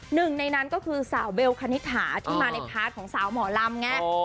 หนึ่งในนั้นก็คือสาวเบลคณิตถาที่มาในพาร์ทของสาวหมอลำไง